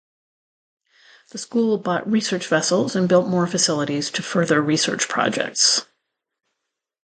The school bought Research vessels and built more facilities to further research projects.